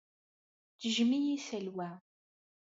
Tejjem-iyi Salwa.